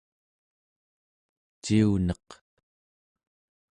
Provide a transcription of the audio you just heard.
ciuneq